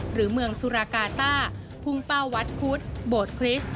หรือเมืองสุรากาต้าพุ่งเป้าวัดพุทธโบสถคริสต์